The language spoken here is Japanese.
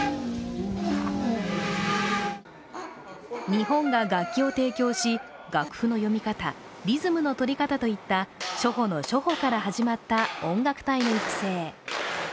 日本が楽器を提供し、楽譜の読み方、リズムの取り方といった初歩の初歩から始まった音楽隊の育成。